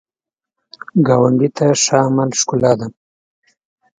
ګاونډي ته ښه عمل ښکلا ده